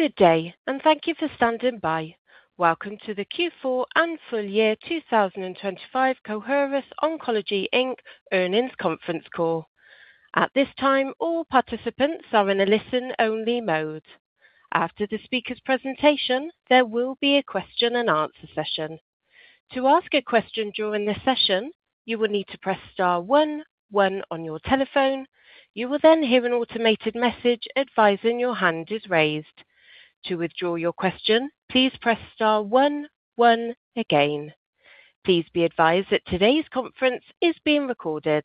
Good day, and thank you for standing by. Welcome to the Q4 and Full Year 2025 Coherus Oncology, Inc. Earnings Conference Call. At this time, all participants are in a listen-only mode. After the speaker's presentation, there will be a question-and-answer session. To ask a question during this session, you will need to press star one one on your telephone. You will then hear an automated message advising your hand is raised. To withdraw your question, please press star one one again. Please be advised that today's conference is being recorded.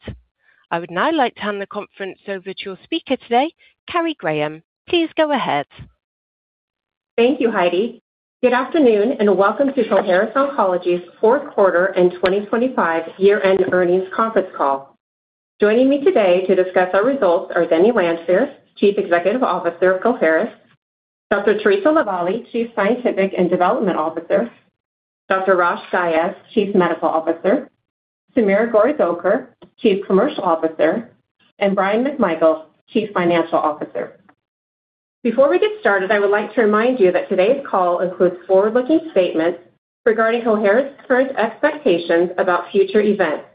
I would now like to hand the conference over to your speaker today, Carrie Graham. Please go ahead. Thank you, Heidi. Good afternoon, welcome to Coherus Oncology's Fourth Quarter and 2025 Year-End Earnings Conference Call. Joining me today to discuss our results are Denny Lanfear, Chief Executive Officer of Coherus, Dr. Theresa LaVallee, Chief Scientific and Development Officer, Dr. Rosh Dias, Chief Medical Officer, Sameer Goregaoker, Chief Commercial Officer, and Bryan McMichael, Chief Financial Officer. Before we get started, I would like to remind you that today's call includes forward-looking statements regarding Coherus' current expectations about future events.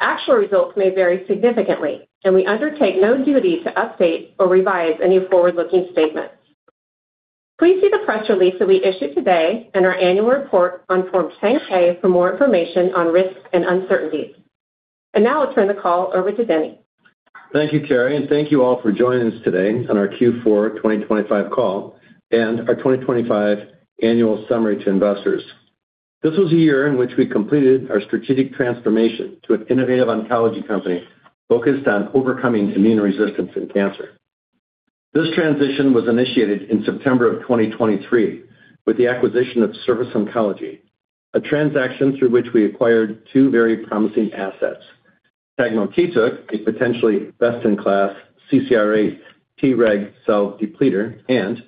Actual results may vary significantly. We undertake no duty to update or revise any forward-looking statement. Please see the press release that we issued today and our annual report on Form 10-K for more information on risks and uncertainties. Now I'll turn the call over to Denny. Thank you, Carrie, and thank you all for joining us today on our Q4 2025 call and our 2025 annual summary to investors. This was a year in which we completed our strategic transformation to an innovative oncology company focused on overcoming immune resistance in cancer. This transition was initiated in September of 2023 with the acquisition of Surface Oncology, a transaction through which we acquired two very promising assets, tagmokitug, a potentially best-in-class CCR8 Treg cell depleter, and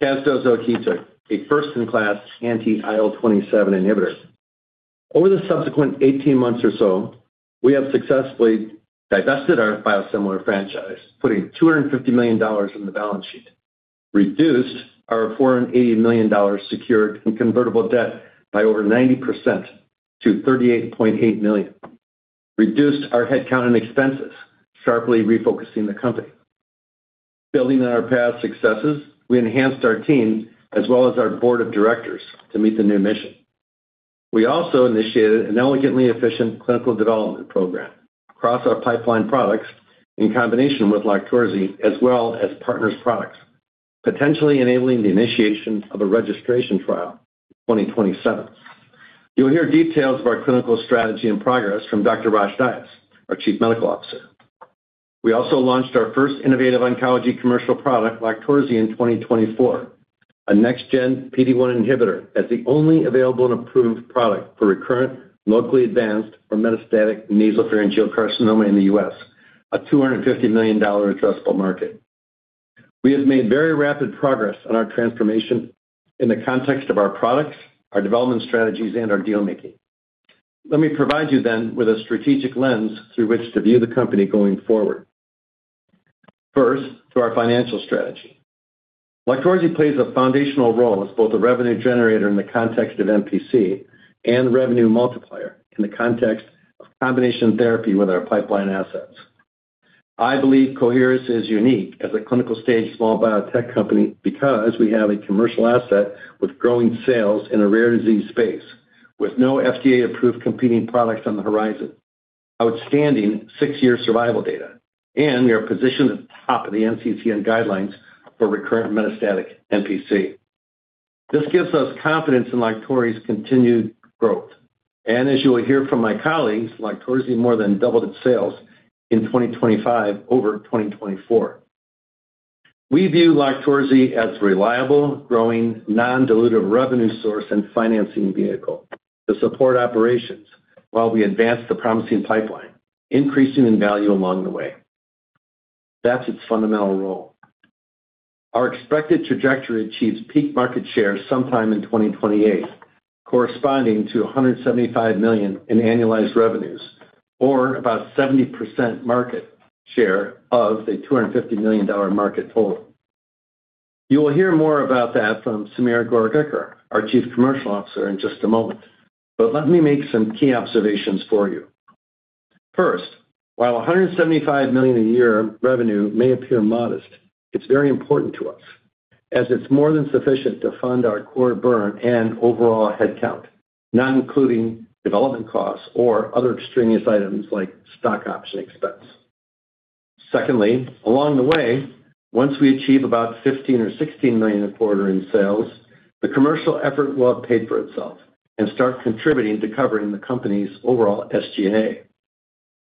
Casdozokitug, a first-in-class anti-IL-27 inhibitor. Over the subsequent 18 months or so, we have successfully divested our biosimilar franchise, putting $250 million in the balance sheet, reduced our $480 million secured and convertible debt by over 90% to $38.8 million, reduced our headcount and expenses, sharply refocusing the company. Building on our past successes, we enhanced our team as well as our board of directors to meet the new mission. We also initiated an elegantly efficient clinical development program across our pipeline products in combination with LOQTORZI as well as partners products, potentially enabling the initiation of a registration trial in 2027. You'll hear details of our clinical strategy and progress from Dr. Rosh Dias, our Chief Medical Officer. We also launched our first innovative oncology commercial product, LOQTORZI, in 2024, a next-gen PD one inhibitor as the only available and approved product for recurrent, locally advanced or metastatic Nasopharyngeal Carcinoma in the U.S., a $250 million addressable market. We have made very rapid progress on our transformation in the context of our products, our development strategies, and our deal-making. Let me provide you with a strategic lens through which to view the company going forward. First, to our financial strategy. LOQTORZI plays a foundational role as both a revenue generator in the context of NPC and revenue multiplier in the context of combination therapy with our pipeline assets. I believe Coherus is unique as a clinical stage small biotech company because we have a commercial asset with growing sales in a rare disease space with no FDA-approved competing products on the horizon, outstanding six-year survival data, and we are positioned at the top of the NCCN guidelines for recurrent metastatic NPC. This gives us confidence in LOQTORZI's continued growth. As you will hear from my colleagues, LOQTORZI more than doubled its sales in 2025 over 2024. We view LOQTORZI as reliable, growing, non-dilutive revenue source and financing vehicle to support operations while we advance the promising pipeline, increasing in value along the way. That's its fundamental role. Our expected trajectory achieves peak market share sometime in 2028, corresponding to $175 million in annualized revenues or about 70% market share of the $250 million market total. You will hear more about that from Sameer Goregaoker, our Chief Commercial Officer, in just a moment. Let me make some key observations for you. First, while $175 million a year revenue may appear modest, it's very important to us as it's more than sufficient to fund our core burn and overall headcount, not including development costs or other extraneous items like stock option expense. Secondly, along the way, once we achieve about $15 or $16 million a quarter in sales, the commercial effort will have paid for itself and start contributing to covering the company's overall SG&A.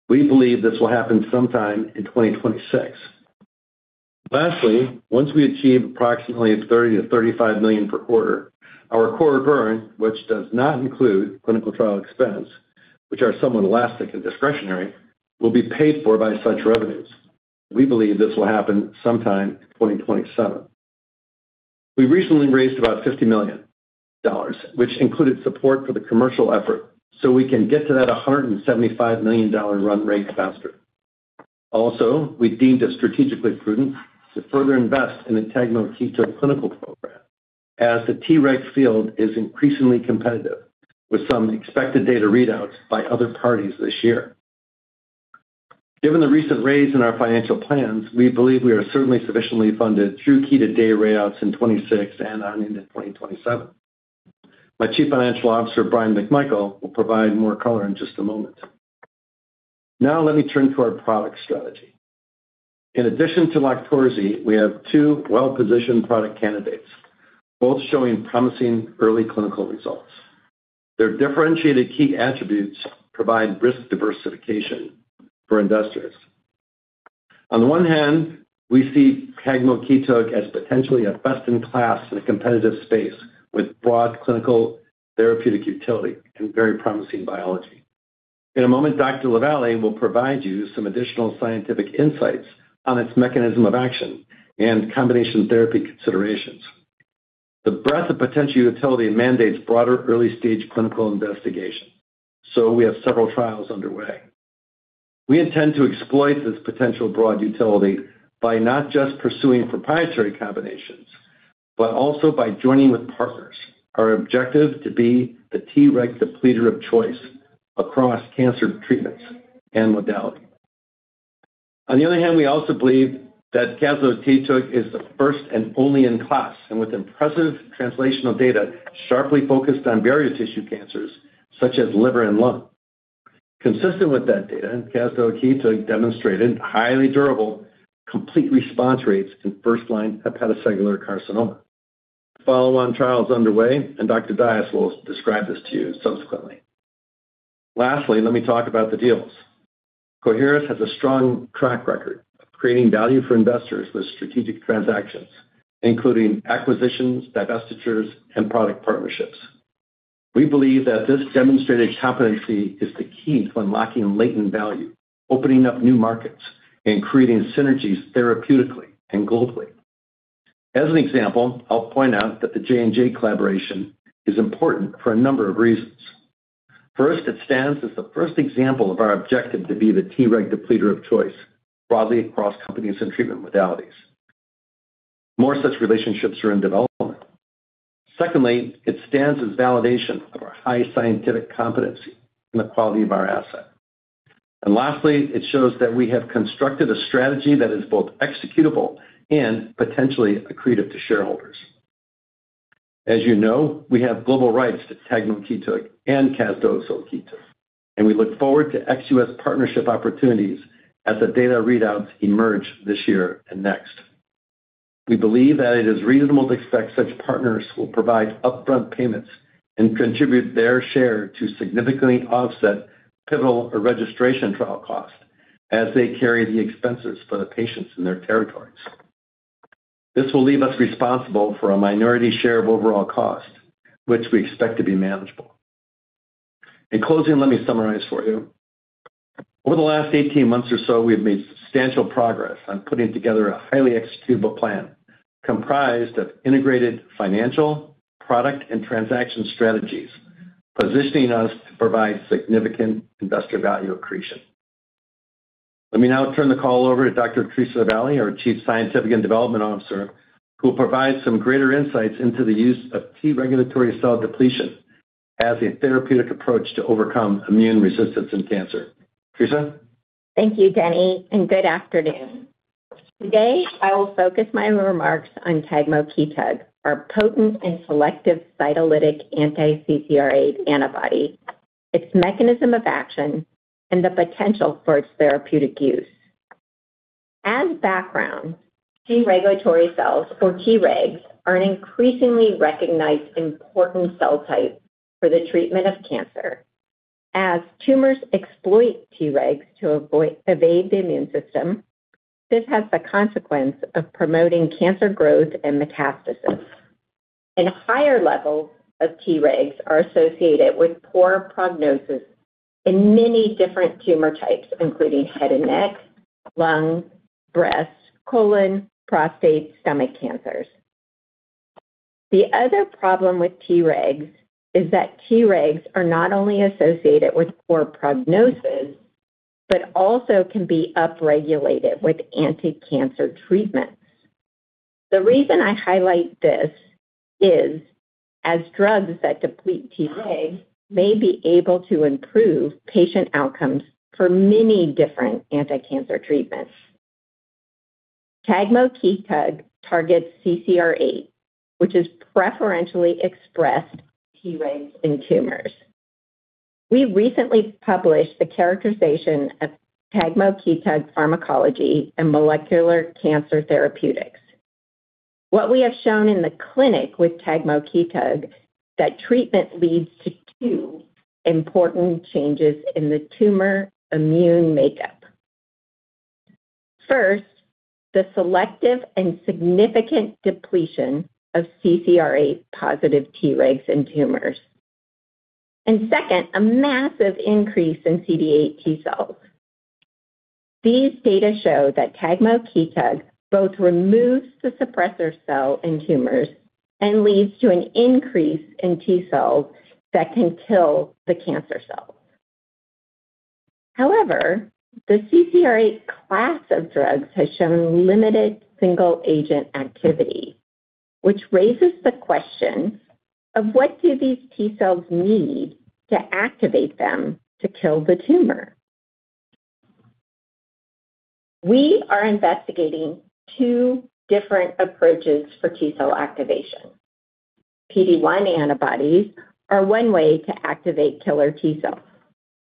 We believe this will happen sometime in 2026. Lastly, once we achieve approximately $30million-$35 million per quarter, our core burn, which does not include clinical trial expense, which are somewhat elastic and discretionary, will be paid for by such revenues. We believe this will happen sometime in 2027. We recently raised about $50 million, which included support for the commercial effort, so we can get to that $175 million run rate faster. Also, we deemed it strategically prudent to further invest in the tagmokitug clinical program as the Treg field is increasingly competitive with some expected data readouts by other parties this year. Given the recent raise in our financial plans, we believe we are certainly sufficiently funded through key to day layouts in 2026 and on into 2027. My Chief Financial Officer, Bryan McMichael, will provide more color in just a moment. Let me turn to our product strategy. In addition to LOQTORZI, we have two well-positioned product candidates, both showing promising early clinical results. Their differentiated key attributes provide risk diversification for investors. On the one hand, we see tagmokitug as potentially a best-in-class in a competitive space with broad clinical therapeutic utility and very promising biology. In a moment, Dr. LaVallee will provide you some additional scientific insights on its mechanism of action and combination therapy considerations. The breadth of potential utility mandates broader early-stage clinical investigation, we have several trials underway. We intend to exploit this potential broad utility by not just pursuing proprietary combinations, but also by joining with partners. Our objective to be the Treg depleter of choice across cancer treatments and modality. We also believe that Casdozokitug is the first and only in class and with impressive translational data sharply focused on various tissue cancers such as liver and lung. Consistent with that data, Casdozokitug demonstrated highly durable complete response rates in first-line Hepatocellular Carcinoma. Follow-on trial is underway. Dr. Dias will describe this to you subsequently. Lastly, let me talk about the deals. Coherus has a strong track record of creating value for investors with strategic transactions, including acquisitions, divestitures, and product partnerships. We believe that this demonstrated competency is the key to unlocking latent value, opening up new markets, and creating synergies therapeutically and globally. As an example, I'll point out that the J&J collaboration is important for a number of reasons. First, it stands as the first example of our objective to be the Treg depleter of choice broadly across companies and treatment modalities. More such relationships are in development. Secondly, it stands as validation of our high scientific competency and the quality of our asset. Lastly, it shows that we have constructed a strategy that is both executable and potentially accretive to shareholders. As you know, we have global rights to tagmokitug and Casdozokitug, and we look forward to ex U.S. partnership opportunities as the data readouts emerge this year and next. We believe that it is reasonable to expect such partners will provide upfront payments and contribute their share to significantly offset pivotal or registration trial costs as they carry the expenses for the patients in their territories. This will leave us responsible for a minority share of overall costs, which we expect to be manageable. In closing, let me summarize for you. Over the last 18 months or so, we have made substantial progress on putting together a highly executable plan comprised of integrated financial, product, and transaction strategies, positioning us to provide significant investor value accretion. Let me now turn the call over to Dr. Theresa LaVallee, our Chief Scientific and Development Officer, who will provide some greater insights into the use of T-regulatory cell depletion as a therapeutic approach to overcome immune resistance in cancer. Theresa? Thank you, Denny. Good afternoon. Today, I will focus my remarks on Tagmokitug, our potent and selective cytolytic anti-CCR8 antibody, its mechanism of action, and the potential for its therapeutic use. As background, T-regulatory cells, or Tregs, are an increasingly recognized important cell type for the treatment of cancer. As tumors exploit Tregs to evade the immune system, this has the consequence of promoting cancer growth and metastasis. Higher levels of Tregs are associated with poor prognosis in many different tumor types, including head and neck, lung, breast, colon, prostate, stomach cancers. The other problem with Tregs is that Tregs are not only associated with poor prognosis, but also can be upregulated with anti-cancer treatments. The reason I highlight this is as drugs that deplete Tregs may be able to improve patient outcomes for many different anti-cancer treatments. Tagmokitug targets CCR8, which is preferentially expressed Tregs in tumors. We recently published the characterization of tagmokitug pharmacology in Molecular Cancer Therapeutics. What we have shown in the clinic with tagmokitug that treatment leads to two important changes in the tumor immune makeup. First, the selective and significant depletion of CCR8 positive Tregs in tumors. Second, a massive increase in CD8 T-cells. These data show that tagmokitug both removes the suppressor cell in tumors and leads to an increase in T-cells that can kill the cancer cells. However, the CCR8 class of drugs has shown limited single agent activity, which raises the question of what do these T-cells need to activate them to kill the tumor? We are investigating two different approaches for T-cell activation. PD-1 antibodies are one way to activate killer T-cells.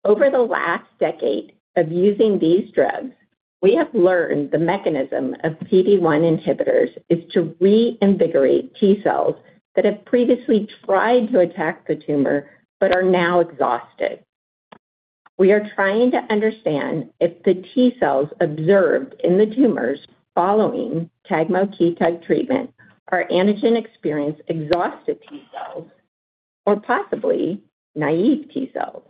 Over the last decade of using these drugs, we have learned the mechanism of PD-1 inhibitors is to reinvigorate T-cells that have previously tried to attack the tumor but are now exhausted. We are trying to understand if the T-cells observed in the tumors following tagmokitug treatment are antigen-experienced exhausted T-cells or possibly naive T-cells.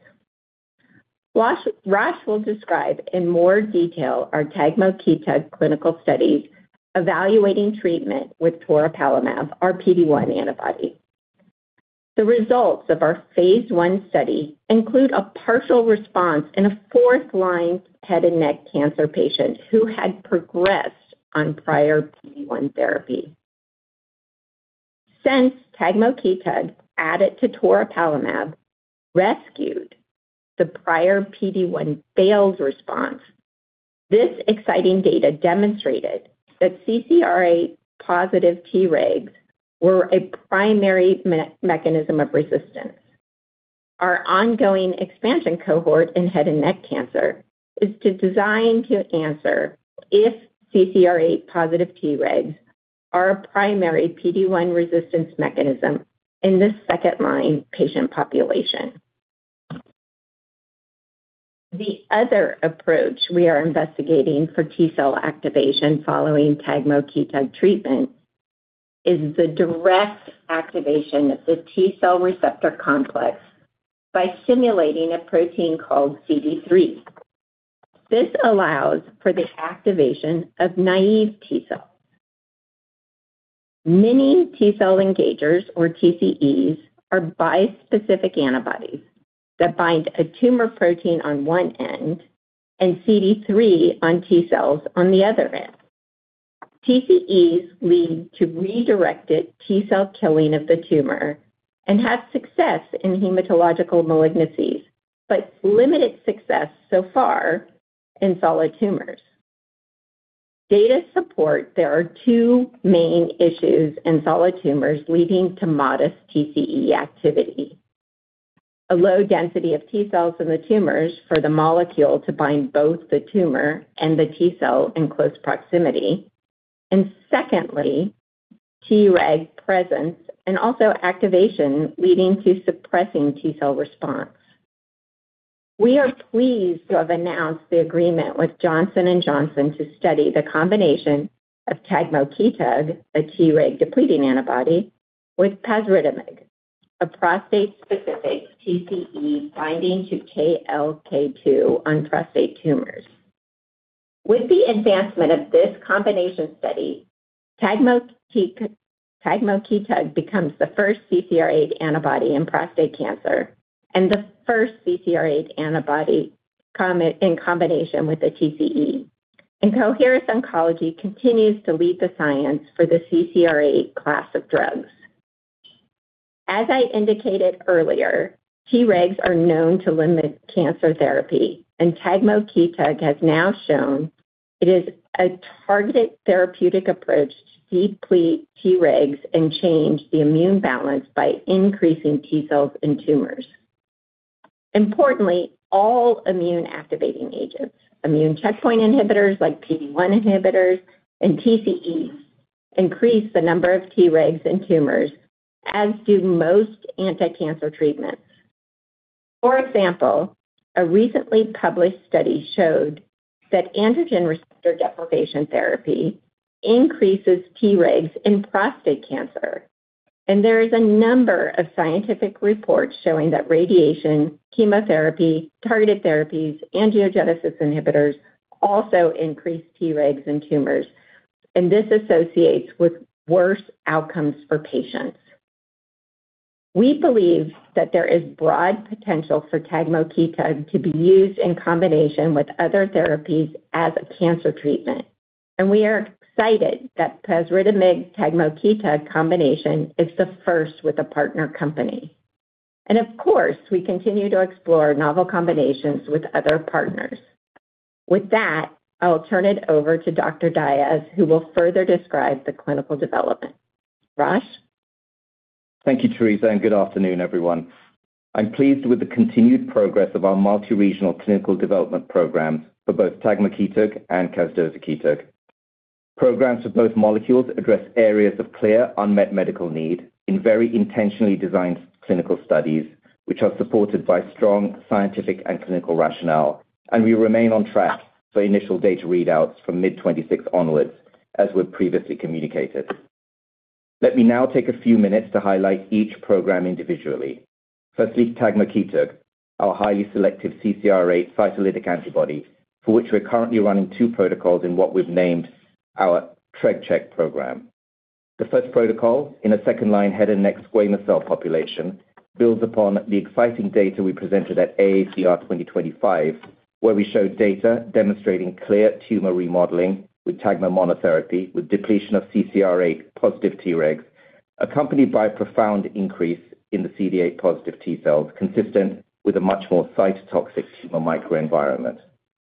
Rosh will describe in more detail our tagmokitug clinical studies evaluating treatment with toripalimab, our PD-1 antibody. The results of our phase I study include a partial response in a 4th-line head and neck cancer patient who had progressed on prior PD-1 therapy. Since tagmokitug added to toripalimab rescued the prior PD-1 failed response, this exciting data demonstrated that CCR8 positive Tregs were a primary mechanism of resistance. Our ongoing expansion cohort in head and neck cancer is to design to answer if CCR8 positive Tregs are a primary PD-1 resistance mechanism in this second-line patient population. The other approach we are investigating for T-cell activation following tagmokitug treatment is the direct activation of the T-cell receptor complex by simulating a protein called CD3. This allows for the activation of naive T-cells. Many T-cell engagers or TCEs are bispecific antibodies that bind a tumor protein on one end and CD3 on T-cells on the other end. TCEs lead to redirected T-cell killing of the tumor and have success in hematological malignancies, but limited success so far in solid tumors. Data support there are two main issues in solid tumors leading to modest TCE activity. A low density of T-cells in the tumors for the molecule to bind both the tumor and the T-cell in close proximity, secondly, Tregs presence and also activation leading to suppressing T-cell response. We are pleased to have announced the agreement with Johnson & Johnson to study the combination of tagmokitug, a Treg depleting antibody, with pasritamig, a prostate-specific TCE binding to KLK2 on prostate tumors. With the advancement of this combination study, tagmokitug becomes the first CCR8 antibody in prostate cancer and the first CCR8 antibody in combination with a TCE. Coherus Oncology continues to lead the science for the CCR8 class of drugs. As I indicated earlier, Tregs are known to limit cancer therapy, tagmokitug has now shown it is a targeted therapeutic approach to deplete Tregs and change the immune balance by increasing T-cells in tumors. Importantly, all immune activating agents, immune checkpoint inhibitors like PD-1 inhibitors and TCEs, increase the number of Tregs in tumors, as do most anti-cancer treatments. For example, a recently published study showed that androgen deprivation therapy increases Tregs in prostate cancer, there is a number of scientific reports showing that radiation, chemotherapy, targeted therapies, angiogenesis inhibitors also increase Tregs in tumors, and this associates with worse outcomes for patients. We believe that there is broad potential for tagmokitug to be used in combination with other therapies as a cancer treatment, and we are excited that pasritamig/tagmokitug combination is the first with a partner company. Of course, we continue to explore novel combinations with other partners. With that, I will turn it over to Dr. Dias, who will further describe the clinical development. Rosh? Thank you, Theresa. Good afternoon, everyone. I'm pleased with the continued progress of our multi-regional clinical development program for both tagmokitug and Casdozokitug. Programs for both molecules address areas of clear unmet medical need in very intentionally designed clinical studies, which are supported by strong scientific and clinical rationale. We remain on track for initial data readouts from mid-2026 onwards, as we've previously communicated. Let me now take a few minutes to highlight each program individually. Firstly, tagmokitug, our highly selective CCR8 cytolytic antibody, for which we're currently running two protocols in what we've named our Treg Check program. The first protocol, in a second-line head and neck squamous cell population, builds upon the exciting data we presented at AACR 2025, where we showed data demonstrating clear tumor remodeling with Tagmo monotherapy, with depletion of CCR8-positive Tregs, accompanied by a profound increase in the CD8 positive T-cells, consistent with a much more cytotoxic tumor microenvironment.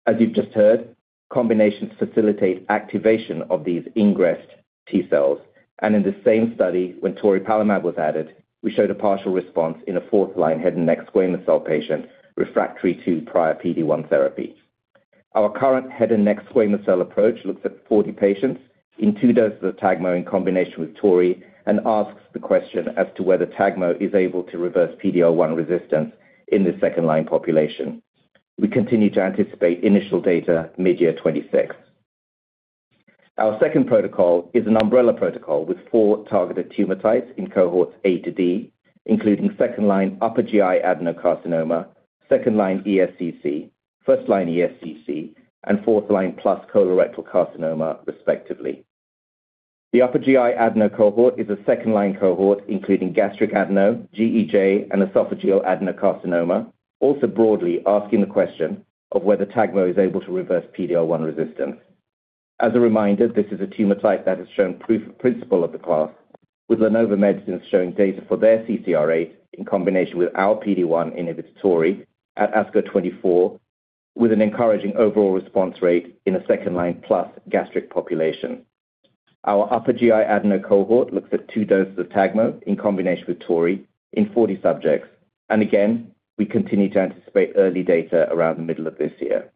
As you've just heard, combinations facilitate activation of these ingressed T-cells. In the same study, when Toripalimab was added, we showed a partial response in a fourth-line head and neck squamous cell patient refractory to prior PD-1 therapy. Our current head and neck squamous cell approach looks at 40 patients in two doses of Tagmo in combination with Tori and asks the question as to whether Tagmo is able to reverse PD-L1 resistance in the second-line population. We continue to anticipate initial data midyear 2026. Our second protocol is an umbrella protocol with four targeted tumor types in cohorts A-D, including second-line upper GI adenocarcinoma, second-line ESCC, first-line ESCC, and fourth-line plus colorectal carcinoma, respectively. The upper GI adeno cohort is a second-line cohort, including gastric adeno, GEJ, and esophageal adenocarcinoma, also broadly asking the question of whether Tagmo is able to reverse PD-L1 resistance. As a reminder, this is a tumor type that has shown proof of principle of the class, with Lenova Medicine showing data for their CCR8 in combination with our PD-1 inhibitor, Tori, at ASCO 2024, with an encouraging overall response rate in a second-line plus gastric population. Our upper GI adeno cohort looks at two doses of Tagmo in combination with Tori in 40 subjects. Again, we continue to anticipate early data around the middle of this year.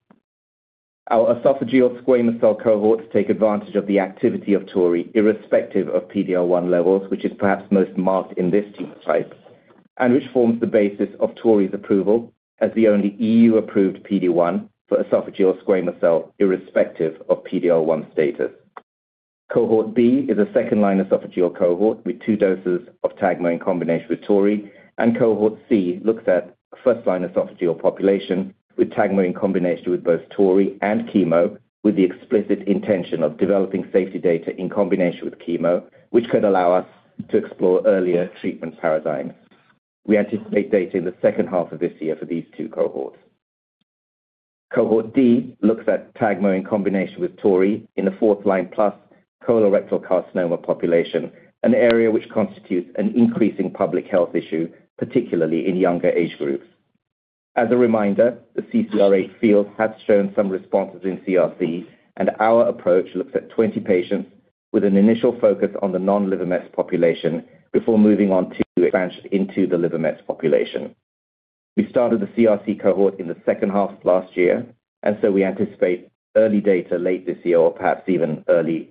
Our esophageal squamous cell cohorts take advantage of the activity of Tori irrespective of PD-L1 levels, which is perhaps most marked in this tumor type and which forms the basis of Tori's approval as the only EU-approved PD-1 for esophageal squamous cell irrespective of PD-L1 status. Cohort B is a second-line esophageal cohort with two doses of Tagmo in combination with Tori. Cohort C looks at first-line esophageal population with Tagmo in combination with both Tori and chemo, with the explicit intention of developing safety data in combination with chemo, which could allow us to explore earlier treatment paradigms. We anticipate data in the second half of this year for these two cohorts. Cohort D looks at Tagmo in combination with Tori in the fourth-line plus colorectal carcinoma population, an area which constitutes an increasing public health issue, particularly in younger age groups. As a reminder, the CCR8 field has shown some responses in CRC, our approach looks at 20 patients with an initial focus on the non-liver-met population before moving on to advance into the liver-met population. We started the CRC cohort in the second half of last year, we anticipate early data late this year or perhaps even early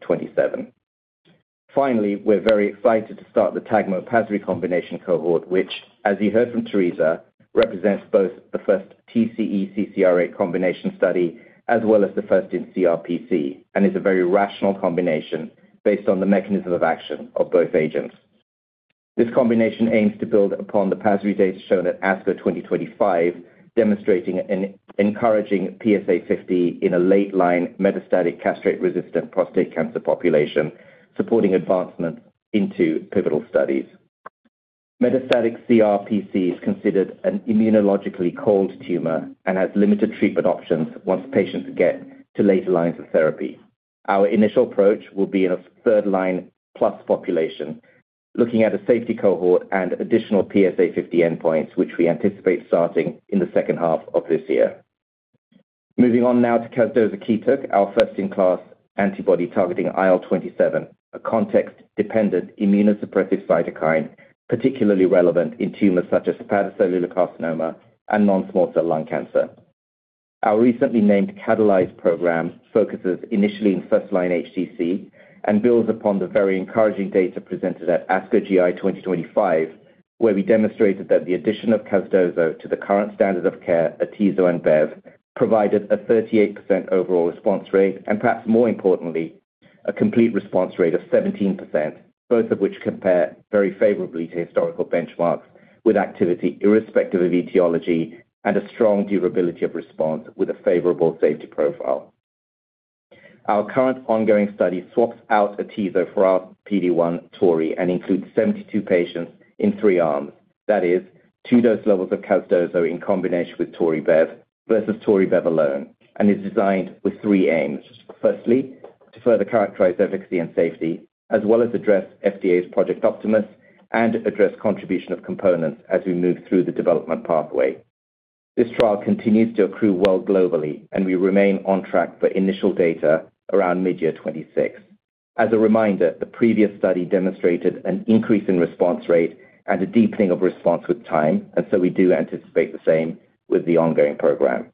2027. We're very excited to start the tagmokitug pasritamig combination cohort, which, as you heard from Theresa, represents both the first TCE CCR8 combination study as well as the first in CRPC and is a very rational combination based on the mechanism of action of both agents. This combination aims to build upon the pasritamig data shown at ASCO 2025, demonstrating an encouraging PSA50 in a late-line metastatic castration-resistant prostate cancer population, supporting advancement into pivotal studies. Metastatic CRPC is considered an immunologically cold tumor and has limited treatment options once patients get to later lines of therapy. Our initial approach will be in a third-line plus population, looking at a safety cohort and additional PSA50 endpoints, which we anticipate starting in the second half of this year. Moving on now to Casdozokitug, our first-in-class antibody targeting IL-27, a context-dependent immunosuppressive cytokine, particularly relevant in tumors such as Hepatocellular Carcinoma and non-small cell lung cancer. Our recently named Catalyze program focuses initially in first-line HCC and builds upon the very encouraging data presented at ASCO GI 2025, where we demonstrated that the addition of Casdozo to the current standard of care, Atezo and Bev, provided a 38% overall response rate and, perhaps more importantly, a complete response rate of 17%, both of which compare very favorably to historical benchmarks with activity irrespective of etiology and a strong durability of response with a favorable safety profile. Our current ongoing study swaps out Atezo for our PD-1 Tori and includes 72 patients in three arms. That is two dose levels of Casdozo in combination with Tori Bev versus Tori Bev alone and is designed with three aims. Firstly, to further characterize efficacy and safety, as well as address FDA's Project Optimus and address contribution of components as we move through the development pathway. This trial continues to accrue well globally, and we remain on track for initial data around mid-year 2026. As a reminder, the previous study demonstrated an increase in response rate and a deepening of response with time, and so we do anticipate the same with the ongoing program.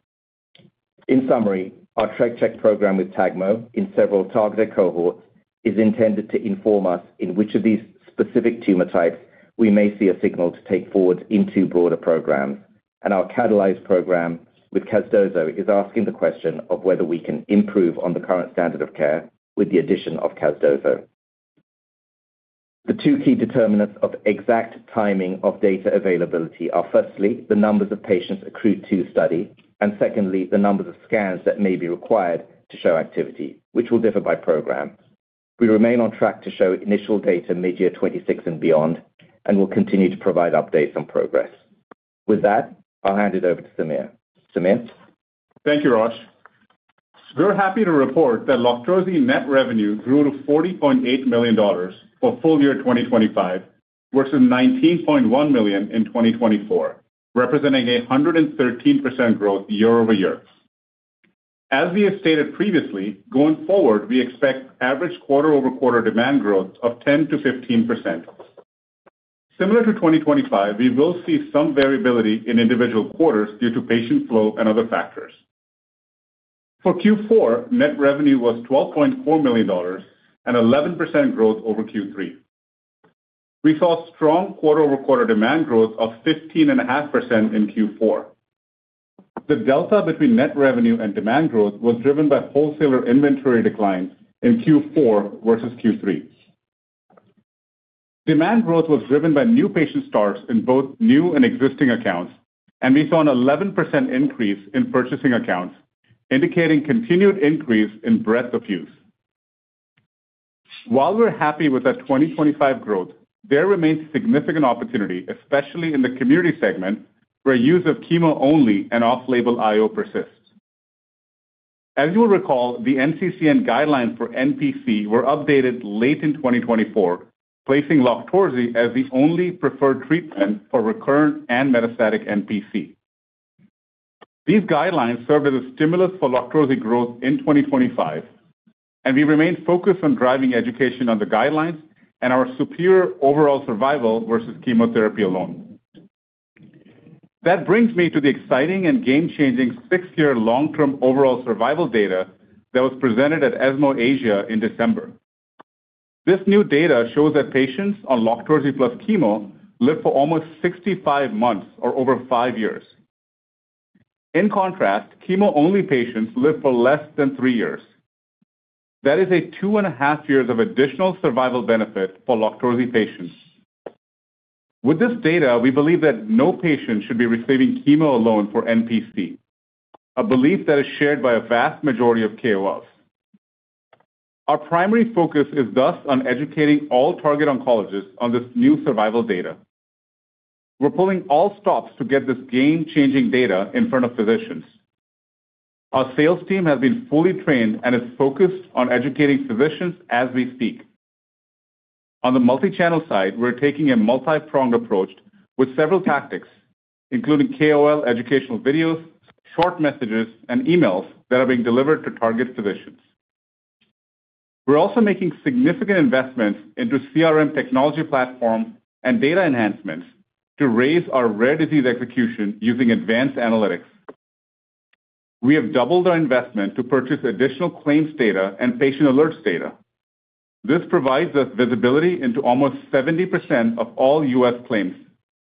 In summary, our Treg Check program with Tagmo in several targeted cohorts is intended to inform us in which of these specific tumor types we may see a signal to take forward into broader programs. Our Catalyze program with Casdozokitug is asking the question of whether we can improve on the current standard of care with the addition of Casdozokitug. The two key determinants of exact timing of data availability are firstly, the numbers of patients accrued to study, and secondly, the numbers of scans that may be required to show activity, which will differ by program. We remain on track to show initial data mid-year 2026 and beyond, we'll continue to provide updates on progress. With that, I'll hand it over to Sameer. Sameer? Thank you, Rosh. We're happy to report that LOQTORZI net revenue grew to $40.8 million for full year 2025, versus $19.1 million in 2024, representing 113% growth year-over-year. As we have stated previously, going forward, we expect average quarter-over-quarter demand growth of 10%-15%. Similar to 2025, we will see some variability in individual quarters due to patient flow and other factors. For Q4, net revenue was $12.4 million and 11% growth over Q3. We saw strong quarter-over-quarter demand growth of 15.5% in Q4. The delta between net revenue and demand growth was driven by wholesaler inventory declines in Q4 versus Q3. Demand growth was driven by new patient starts in both new and existing accounts, and we saw an 11% increase in purchasing accounts, indicating continued increase in breadth of use. While we're happy with that 2025 growth, there remains significant opportunity, especially in the community segment, where use of chemo only and off-label IO persists. As you'll recall, the NCCN guidelines for NPC were updated late in 2024, placing LOQTORZI as the only preferred treatment for recurrent and metastatic NPC. These guidelines served as a stimulus for LOQTORZI growth in 2025, and we remain focused on driving education on the guidelines and our superior overall survival versus chemotherapy alone. That brings me to the exciting and game-changing six-year long-term overall survival data that was presented at ESMO Asia in December. This new data shows that patients on LOQTORZI plus chemo live for almost 65 months or over five years. In contrast, chemo-only patients live for less than three years. That is a 2.5 years of additional survival benefit for LOQTORZI patients. With this data, we believe that no patient should be receiving chemo alone for NPC, a belief that is shared by a vast majority of KOLs. Our primary focus is thus on educating all target oncologists on this new survival data. We're pulling all stops to get this game-changing data in front of physicians. Our sales team has been fully trained and is focused on educating physicians as we speak. On the multi-channel side, we're taking a multi-pronged approach with several tactics, including KOL educational videos, short messages, and emails that are being delivered to target physicians. We're also making significant investments into CRM technology platforms and data enhancements to raise our rare disease execution using advanced analytics. We have doubled our investment to purchase additional claims data and patient alerts data. This provides us visibility into almost 70% of all U.S. claims,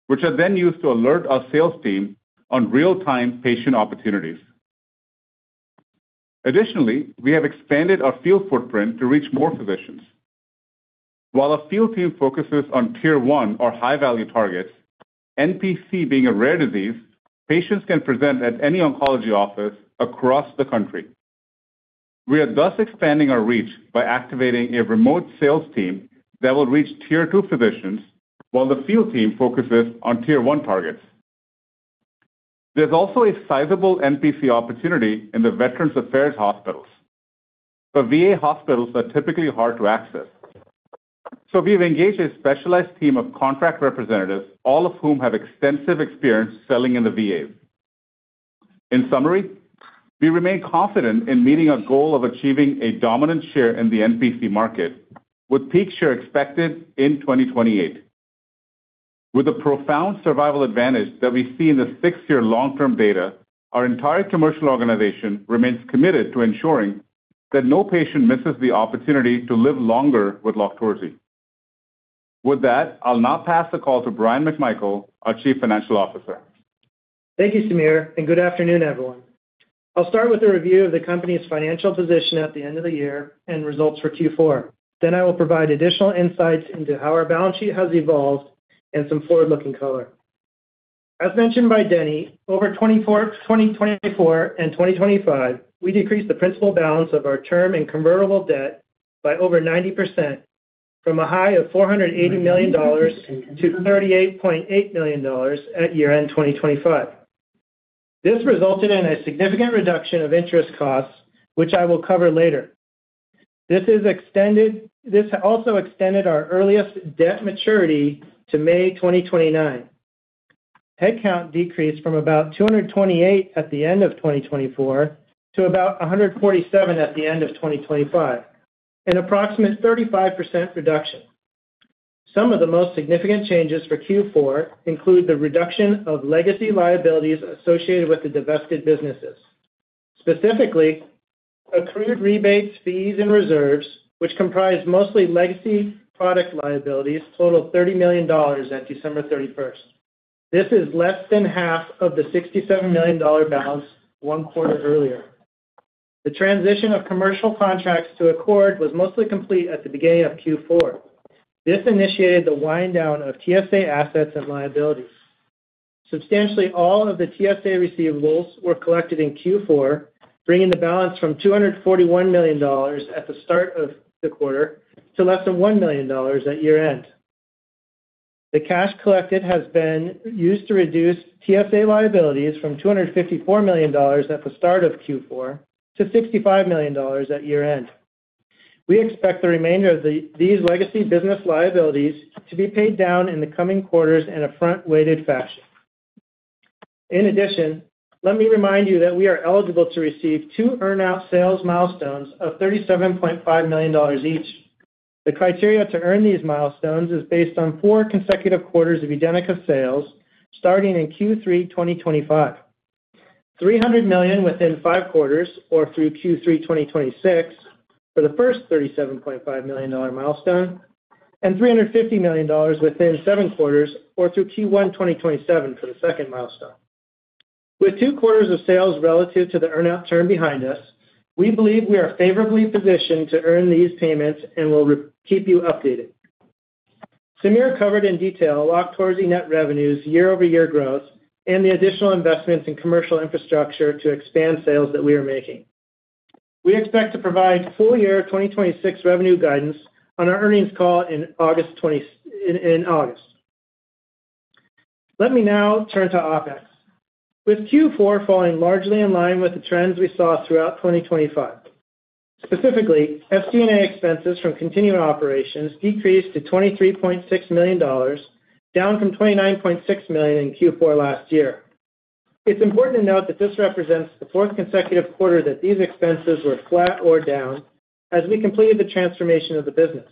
which are then used to alert our sales team on real-time patient opportunities. We have expanded our field footprint to reach more physicians. While our field team focuses on tier one or high-value targets, NPC being a rare disease, patients can present at any oncology office across the country. We are thus expanding our reach by activating a remote sales team that will reach tier two physicians while the field team focuses on tier one targets. There's also a sizable NPC opportunity in the Veterans Affairs hospitals. The VA hospitals are typically hard to access. We've engaged a specialized team of contract representatives, all of whom have extensive experience selling in the VA. In summary, we remain confident in meeting our goal of achieving a dominant share in the NPC market with peak share expected in 2028. With the profound survival advantage that we see in the six-year long-term data, our entire commercial organization remains committed to ensuring that no patient misses the opportunity to live longer with LOQTORZI. With that, I'll now pass the call to Bryan McMichael, our Chief Financial Officer. Thank you, Sameer, good afternoon, everyone. I'll start with a review of the company's financial position at the end of the year and results for Q4. I will provide additional insights into how our balance sheet has evolved and some forward-looking color. As mentioned by Denny, over 2024 and 2025, we decreased the principal balance of our term and convertible debt by over 90% from a high of $480 million-$38.8 million at year-end 2025. This resulted in a significant reduction of interest costs, which I will cover later. This also extended our earliest debt maturity to May 2029. Headcount decreased from about 228 at the end of 2024 to about 147 at the end of 2025, an approximate 35% reduction. Some of the most significant changes for Q4 include the reduction of legacy liabilities associated with the divested businesses. Specifically, accrued rebates, fees, and reserves, which comprise mostly legacy product liabilities, total $30 million at December 31st. This is less than half of the $67 million balance one quarter earlier. The transition of commercial contracts to a court was mostly complete at the beginning of Q4. This initiated the wind down of TSA assets and liabilities. Substantially all of the TSA receivables were collected in Q4, bringing the balance from $241 million at the start of the quarter to less than $1 million at year-end. The cash collected has been used to reduce TSA liabilities from $254 million at the start of Q4 to $65 million at year-end. We expect the remainder of the, these legacy business liabilities to be paid down in the coming quarters in a front-weighted fashion. In addition, let me remind you that we are eligible to receive two earn-out sales milestones of $37.5 million each. The criteria to earn these milestones is based on four consecutive quarters of UDENYCA sales starting in Q3, 2025. $300 million within five quarters or through Q3, 2026 for the first $37.5 million milestone, and $350 million within seven quarters or through Q1, 2027 for the second milestone. With two quarters of sales relative to the earn-out term behind us, we believe we are favorably positioned to earn these payments and will re-keep you updated. Sameer covered in detail LOQTORZI net revenues year-over-year growth and the additional investments in commercial infrastructure to expand sales that we are making. We expect to provide full year 2026 revenue guidance on our earnings call in August. Let me now turn to OpEx. With Q4 falling largely in line with the trends we saw throughout 2025. Specifically, SG&A expenses from continuing operations decreased to $23.6 million, down from $29.6 million in Q4 last year. It's important to note that this represents the fourth consecutive quarter that these expenses were flat or down as we completed the transformation of the business.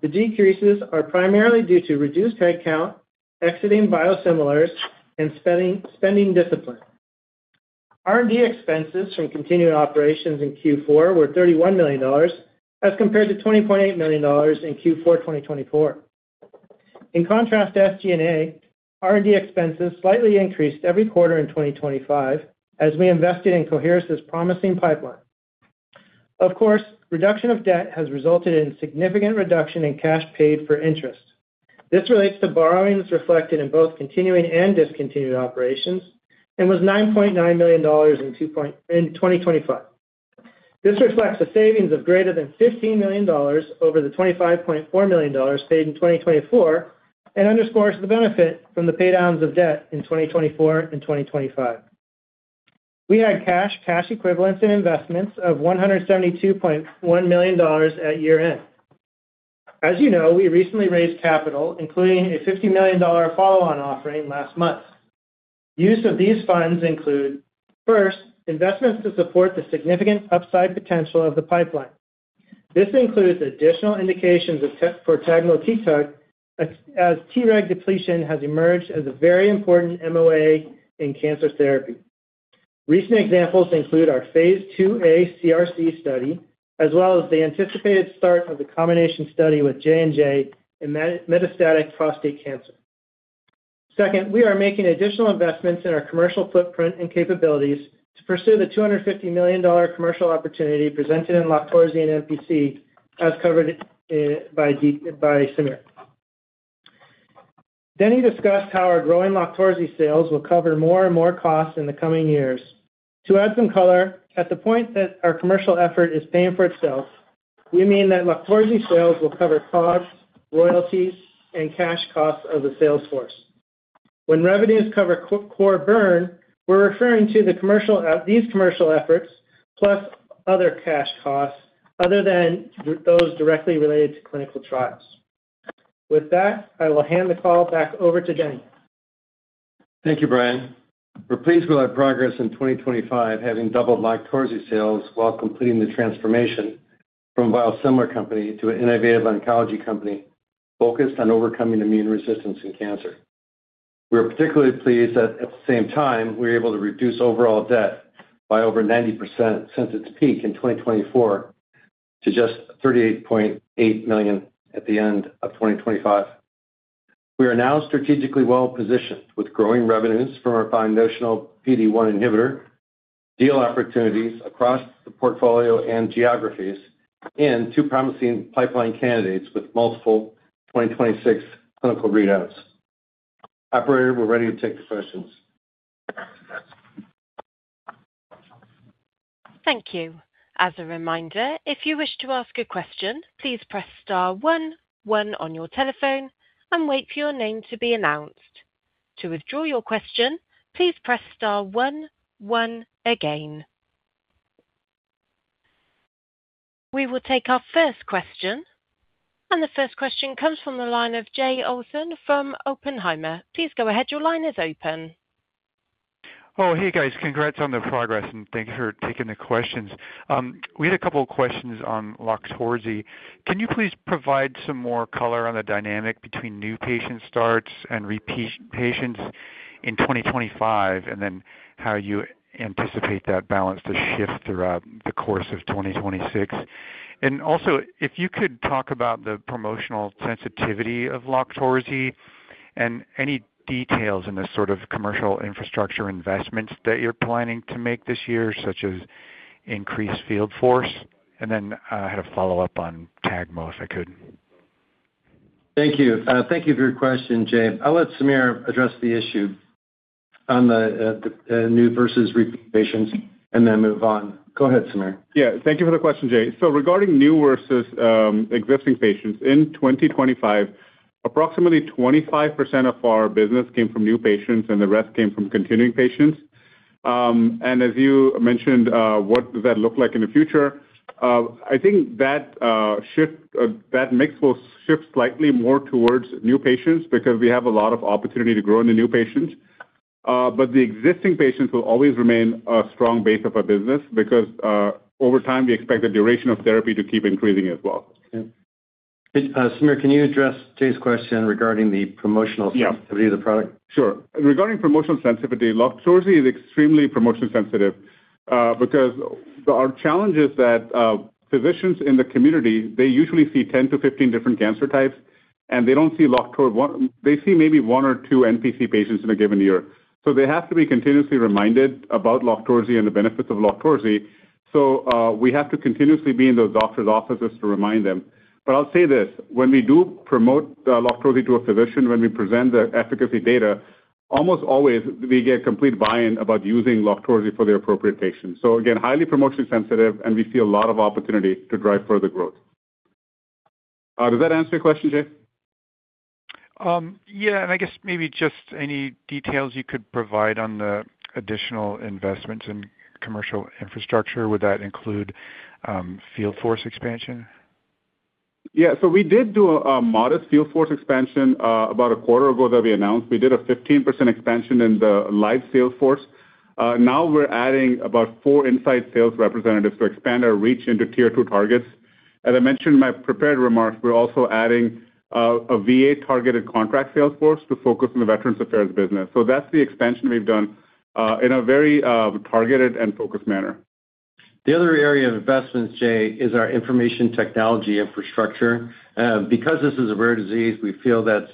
The decreases are primarily due to reduced head count, exiting biosimilars, and spending discipline. R&D expenses from continuing operations in Q4 were $31 million as compared to $20.8 million in Q4 2024. In contrast to SG&A, R&D expenses slightly increased every quarter in 2025 as we invested in Coherus's promising pipeline. Of course, reduction of debt has resulted in significant reduction in cash paid for interest. This relates to borrowings reflected in both continuing and discontinued operations, and was $9.9 million in 2025. This reflects a savings of greater than $15 million over the $25.4 million paid in 2024 and underscores the benefit from the paydowns of debt in 2024 and 2025. We had cash equivalents, and investments of $172.1 million at year-end. As you know, we recently raised capital, including a $50 million follow-on offering last month. Use of these funds include, first, investments to support the significant upside potential of the pipeline. This includes additional indications of tagmokitug as Treg depletion has emerged as a very important MOA in cancer therapy. Recent examples include our phase II-A CRC study, as well as the anticipated start of the combination study with J&J in metastatic prostate cancer. We are making additional investments in our commercial footprint and capabilities to pursue the $250 million commercial opportunity presented in LOQTORZI and NPC, as covered by Sameer. He discussed how our growing LOQTORZI sales will cover more and more costs in the coming years. To add some color, at the point that our commercial effort is paying for itself, we mean that LOQTORZI sales will cover costs, royalties, and cash costs of the sales force. When revenues cover c-core burn, we're referring to the commercial, these commercial efforts plus other cash costs other than those directly related to clinical trials. With that, I will hand the call back over to Denny. Thank you, Brian. We're pleased with our progress in 2025, having doubled LOQTORZI sales while completing the transformation from biosimilar company to an innovative oncology company focused on overcoming immune resistance in cancer. We are particularly pleased that at the same time, we're able to reduce overall debt by over 90% since its peak in 2024 to just $38.8 million at the end of 2025. We are now strategically well-positioned with growing revenues from our foundational PD-1 inhibitor, deal opportunities across the portfolio and geographies, and two promising pipeline candidates with multiple 2026 clinical readouts. Operator, we're ready to take the questions. Thank you. As a reminder, if you wish to ask a question, please press star one one on your telephone and wait for your name to be announced. To withdraw your question, please press star one one again. We will take our first question. The first question comes from the line of Jay Olson from Oppenheimer. Please go ahead. Your line is open. Hey, guys. Congrats on the progress, thank you for taking the questions. We had a couple of questions on LOQTORZI. Can you please provide some more color on the dynamic between new patient starts and repeat patients in 2025, then how you anticipate that balance to shift throughout the course of 2026? Also, if you could talk about the promotional sensitivity of LOQTORZI and any details in the sort of commercial infrastructure investments that you're planning to make this year, such as increased field force. Then I had a follow-up on tagmo, if I could. Thank you. Thank you for your question, Jay. I'll let Sameer address the issue on the new versus repeat patients and then move on. Go ahead, Sameer. Yeah. Thank you for the question, Jay. Regarding new versus existing patients, in 2025, approximately 25% of our business came from new patients, and the rest came from continuing patients. As you mentioned, what does that look like in the future? I think that mix will shift slightly more towards new patients because we have a lot of opportunity to grow in the new patients. The existing patients will always remain a strong base of our business because over time, we expect the duration of therapy to keep increasing as well. Okay. Sameer, can you address Jay's question regarding the. Yeah. sensitivity of the product? Sure. Regarding promotional sensitivity, LOQTORZI is extremely promotion sensitive, because our challenge is that physicians in the community, they usually see 10-15 different cancer types, and they don't see LOQTORZI, they see maybe one or two NPC patients in a given year. They have to be continuously reminded about LOQTORZI and the benefits of LOQTORZI. I'll say this, when we do promote LOQTORZI to a physician, when we present the efficacy data, almost always we get complete buy-in about using LOQTORZI for the appropriate patients. Again, highly promotion sensitive, and we see a lot of opportunity to drive further growth. Does that answer your question, Jay? Yeah. I guess maybe just any details you could provide on the additional investments in commercial infrastructure. Would that include field force expansion? Yeah. We did do a modest field force expansion about a quarter ago that we announced. We did a 15% expansion in the live sales force. Now we're adding about four inside sales representatives to expand our reach into tier two targets. As I mentioned in my prepared remarks, we're also adding a VA-targeted contract sales force to focus on the Veterans Affairs business. That's the expansion we've done in a very targeted and focused manner. The other area of investments, Jay, is our information technology infrastructure. Because this is a rare disease, we feel that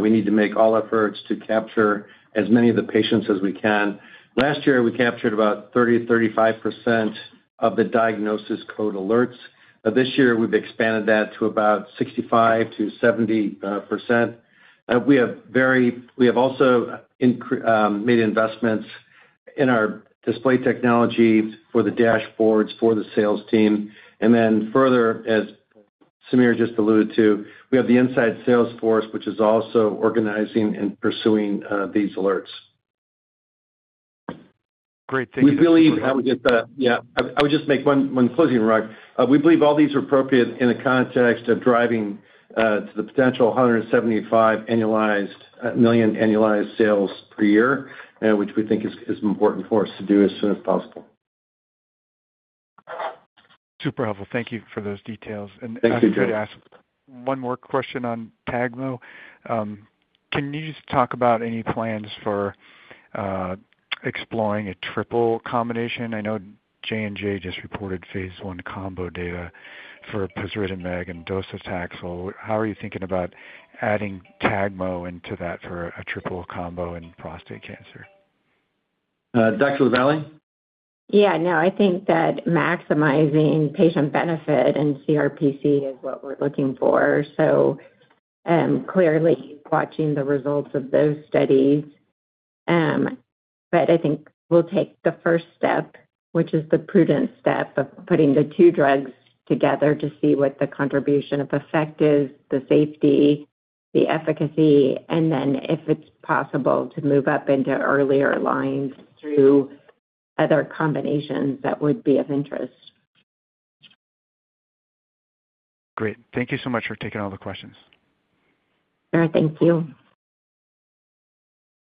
we need to make all efforts to capture as many of the patients as we can. Last year, we captured about 30%-35% of the diagnosis code alerts. This year, we've expanded that to about 65%-70%. We have also made investments in our display technology for the dashboards for the sales team. Further, as Sameer just alluded to, we have the inside sales force, which is also organizing and pursuing these alerts. Great. Thank you. I would just, yeah. I would just make one closing remark. We believe all these are appropriate in the context of driving to the potential $175 million annualized sales per year, which we think is important for us to do as soon as possible. Super helpful. Thank you for those details. Thank you, Jay. If I could ask one more question on Tagmo, can you just talk about any plans for exploring a triple combination? I know J&J just reported phase I combo data for pasritamig and docetaxel. How are you thinking about adding Tagmo into that for a triple combo in prostate cancer? Dr. LaVallee? Yeah, no, I think that maximizing patient benefit in CRPC is what we're looking for. Clearly watching the results of those studies. I think we'll take the first step, which is the prudent step of putting the two drugs together to see what the contribution of effect is, the safety, the efficacy, and then if it's possible to move up into earlier lines through other combinations that would be of interest. Great. Thank you so much for taking all the questions. Sure. Thank you.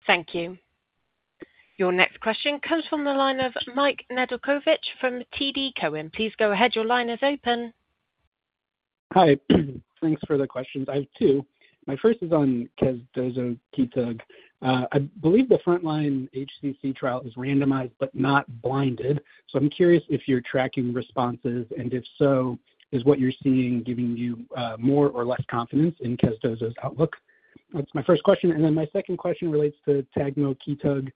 Thank you. Your next question comes from the line of Mike Nedelcovych from TD Cowen. Please go ahead. Your line is open. Hi. Thanks for the questions. I have two. My first is on Kendozo/Keytruda. I believe the frontline HCC trial is randomized but not blinded, so I'm curious if you're tracking responses, and if so, is what you're seeing giving you more or less confidence in Kesdozo's outlook? That's my first question. My second question relates to Tagmo/Keytruda.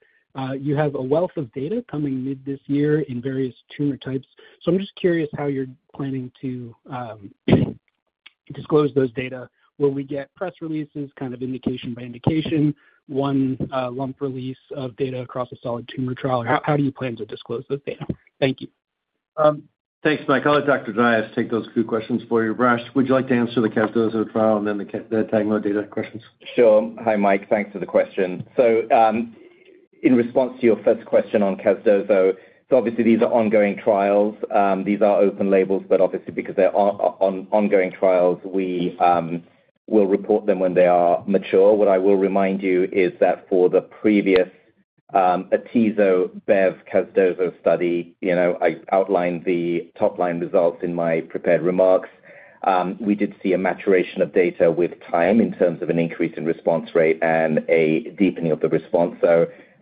You have a wealth of data coming mid this year in various tumor types, so I'm just curious how you're planning to disclose those data. Will we get press releases, kind of indication by indication, one lump release of data across a solid tumor trial? How do you plan to disclose this data? Thank you. Thanks, Mike. I'll let Dr. Dias take those two questions for you. Rosh, would you like to answer the Casdozokitug trial and then the tagmokitug data questions? Hi, Mike. Thanks for the question. In response to your first question on Casdozokitug, obviously these are ongoing trials. These are open labels, but obviously because they are ongoing trials, we will report them when they are mature. What I will remind you is that for the previous atezo-bev Casdozokitug study. You know, I outlined the top line results in my prepared remarks. We did see a maturation of data with time in terms of an increase in response rate and a deepening of the response.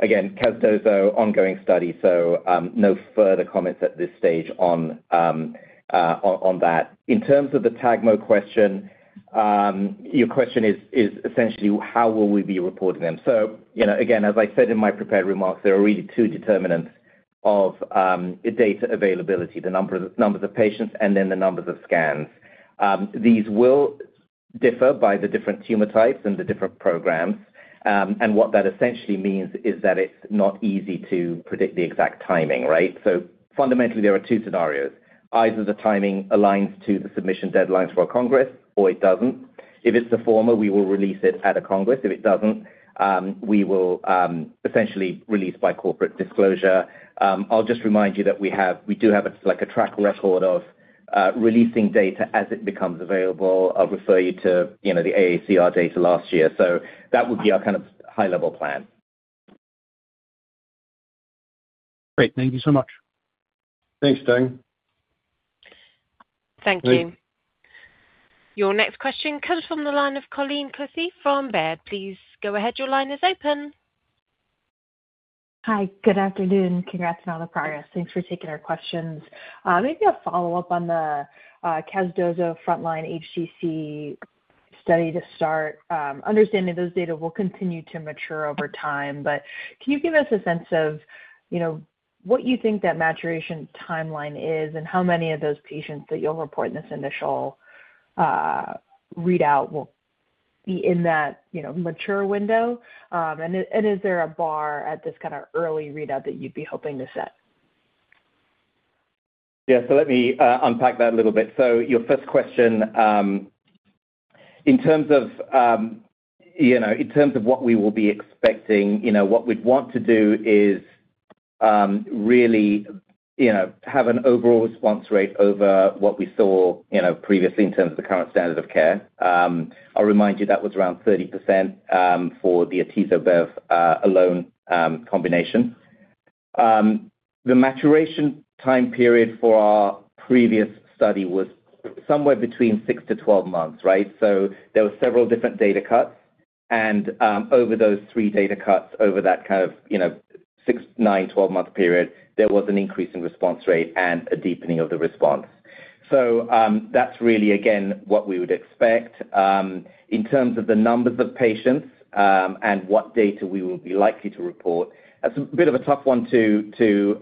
Again, Casdozokitug, ongoing study, no further comments at this stage on that. In terms of the tagmokitug question, your question is essentially how will we be reporting them? You know, again, as I said in my prepared remarks, there are really two determinants of data availability, the number of patients and then the numbers of scans. These will differ by the different tumor types and the different programs. What that essentially means is that it's not easy to predict the exact timing, right? Fundamentally, there are two scenarios. Either the timing aligns to the submission deadlines for a congress or it doesn't. If it's the former, we will release it at a congress. If it doesn't, we will essentially release by corporate disclosure. I'll just remind you that we do have a, like, a track record of releasing data as it becomes available. I'll refer you to, you know, the AACR data last year. That would be our kind of high-level plan. Great. Thank you so much. Thanks. Thank you. Thanks. Your next question comes from the line of Colleen Kusy from Baird. Please go ahead. Your line is open. Hi. Good afternoon. Congrats on all the progress. Thanks for taking our questions. Maybe a follow-up on the, Casdozokitug frontline HCC study to start. Understanding those data will continue to mature over time, but can you give us a sense of, you know, what you think that maturation timeline is, and how many of those patients that you'll report in this initial, readout will be in that, you know, mature window? Is there a bar at this kinda early readout that you'd be hoping to set? Yeah. Let me unpack that a little bit. Your first question, in terms of, you know, in terms of what we will be expecting, you know, what we'd want to do is, really, you know, have an overall response rate over what we saw, you know, previously in terms of the current standard of care. I'll remind you, that was around 30% for the atezo-bev alone combination. The maturation time period for our previous study was somewhere between six-12 months, right? There were several different data cuts, and over those three data cuts, over that kind of, you know, six, nine, 12-month period, there was an increase in response rate and a deepening of the response. That's really, again, what we would expect. In terms of the numbers of patients, and what data we will be likely to report, that's a bit of a tough one to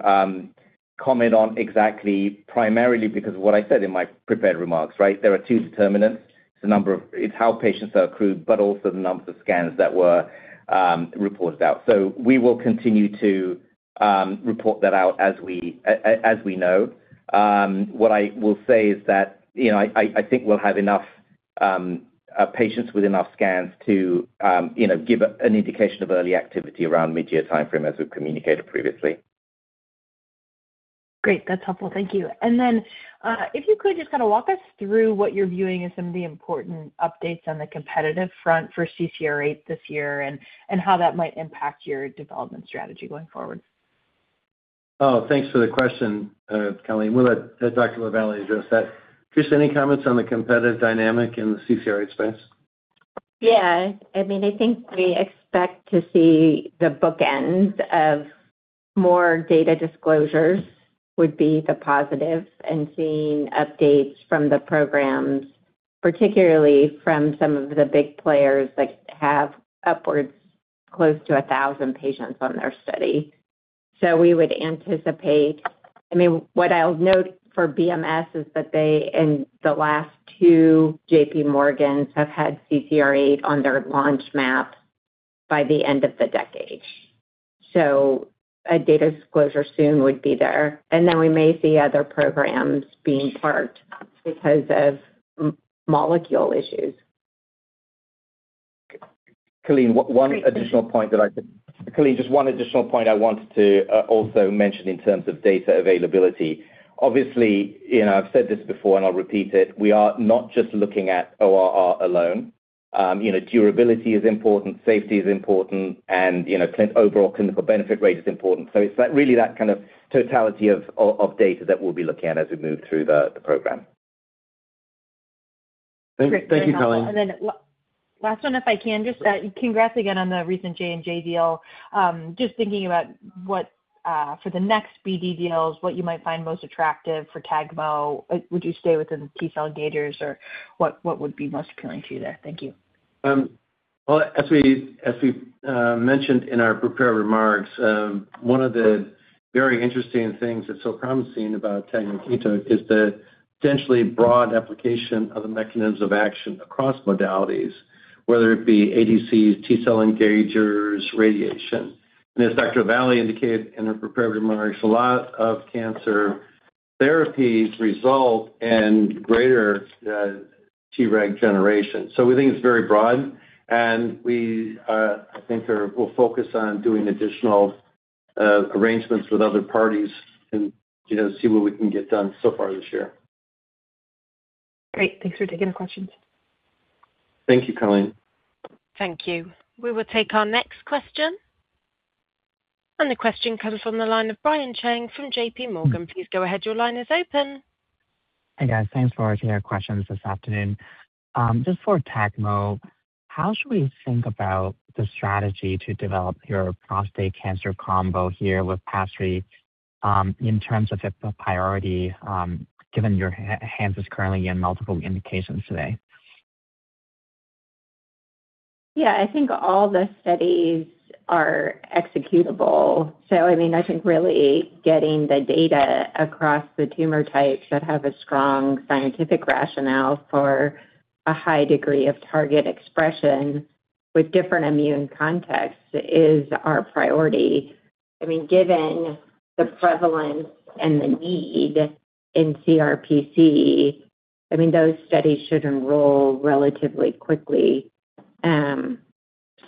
comment on exactly, primarily because of what I said in my prepared remarks, right? There are two determinants. It's how patients are accrued, but also the numbers of scans that were reported out. We will continue to report that out as we as we know. What I will say is that, you know, I think we'll have enough patients with enough scans to, you know, give an indication of early activity around mid-year timeframe as we've communicated previously. Great. That's helpful. Thank you. If you could just kind of walk us through what you're viewing as some of the important updates on the competitive front for CCR8 this year and how that might impact your development strategy going forward? Oh, thanks for the question, Colleen. We'll let Dr. LaVallee address that. Therese, any comments on the competitive dynamic in the CCR8 space? Yeah. I mean, I think we expect to see the bookends of more data disclosures would be the positive and seeing updates from the programs, particularly from some of the big players that have upwards close to 1,000 patients on their study. We would anticipate, I mean, what I'll note for BMS is that they, in the last two J.P. Morgans, have had CCR8 on their launch map by the end of the decade. We may see other programs being parked because of m-molecule issues. Colleen, just one additional point I wanted to also mention in terms of data availability. Obviously, you know, I've said this before and I'll repeat it, we are not just looking at ORR alone. you know, durability is important, safety is important, and, you know, overall clinical benefit rate is important. It's that really that kind of totality of data that we'll be looking at as we move through the program. Thank- Great. Thank you, Colleen. Last one, if I can, just, congrats again on the recent J&J deal. Just thinking about what for the next BD deals, what you might find most attractive for tagmo. Would you stay within the T-cell engagers or what would be most appealing to you there? Thank you. Well, as we mentioned in our prepared remarks, one of the very interesting things that's so promising about tagmokitug is the potentially broad application of the mechanisms of action across modalities, whether it be ADCs, T-cell engagers, radiation. As Dr. LaVallee indicated in her prepared remarks, a lot of cancer therapies result in greater Treg generation. We think it's very broad and we, I think we'll focus on doing additional arrangements with other parties and, you know, see what we can get done so far this year. Great. Thanks for taking the questions. Thank you, Colleen. Thank you. We will take our next question. The question comes from the line of Brian Cheng from J.P. Morgan. Please go ahead. Your line is open. Hey, guys. Thanks for taking our questions this afternoon. Just for Tagmo, how should we think about the strategy to develop your prostate cancer combo here with Pasri, in terms of the priority, given your hands is currently in multiple indications today? Yeah, I think all the studies are executable. I mean, I think really getting the data across the tumor types that have a strong scientific rationale for a high degree of target expression with different immune contexts is our priority. I mean, given the prevalence and the need in CRPC, I mean, those studies should enroll relatively quickly.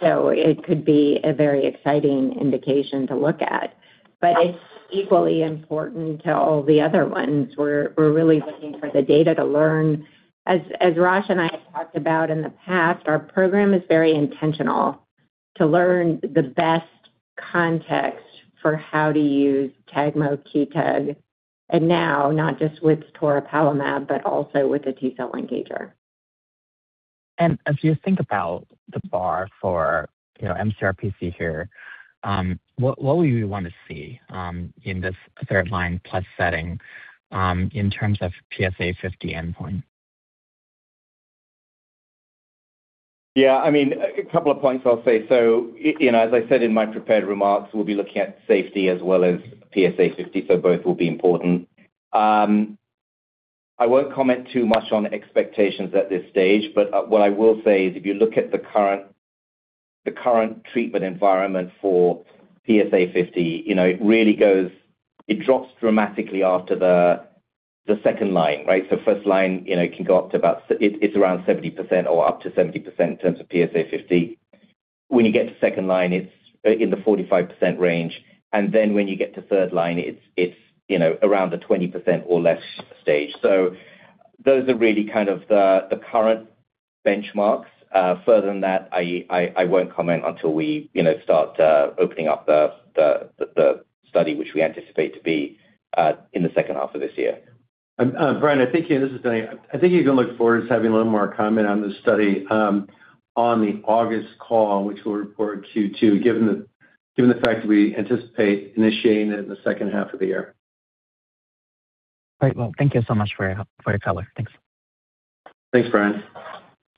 It could be a very exciting indication to look at. It's equally important to all the other ones. We're really looking for the data to learn. As Rosh and I have talked about in the past, our program is very intentional to learn the best context for how to use tagmokitug, and now not just with toripalimab, but also with the T-cell engager. As you think about the bar for, you know, mCRPC here, what would you want to see in this third line plus setting, in terms of PSA50 endpoint? I mean, a couple of points I'll say. You know, as I said in my prepared remarks, we'll be looking at safety as well as PSA50, so both will be important. I won't comment too much on expectations at this stage, but what I will say is if you look at the current, the current treatment environment for PSA50, you know, it really goes. It drops dramatically after the second line, right? First line, you know, can go up to about it's around 70% or up to 70% in terms of PSA50. When you get to second line, it's in the 45% range. When you get to third line, it's, you know, around the 20% or less stage. Those are really kind of the current benchmarks. Further than that, I won't comment until we, you know, start opening up the study, which we anticipate to be in the second half of this year. Brian, I think, you know, this is Denny. I think you can look forward to having a little more comment on this study, on the August call, which we'll report Q2, given the fact that we anticipate initiating it in the second half of the year. All right. Well, thank you so much for your, for your color. Thanks. Thanks, Brian.